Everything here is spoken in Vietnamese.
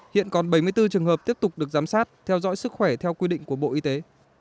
hiện còn bảy mươi bốn trường hợp tiếp tục được giám sát theo dõi sức khỏe theo quy định của bộ y tế